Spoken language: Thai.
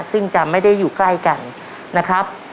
ซึ่งจะไม่ได้อยู่ใกล้กันนะครับ